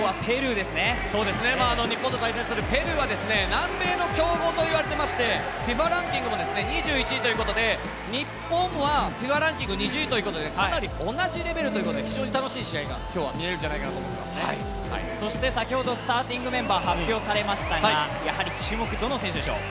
日本と対戦するペルーは南米の強豪と言われておりまして、ランキングは２６位ということで日本はＦＩＦＡランキング２０位ということでかなり同じレベルということで非常に楽しい試合が今日はスターティングメンバー発表されましたが、注目はどの選手でしょう？